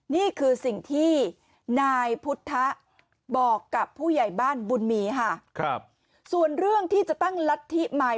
นี่คือสิ่งที่นายพุทธบอกกับผู้ใหญ่บ้านบุญมีค่ะครับส่วนเรื่องที่จะตั้งรัฐธิใหม่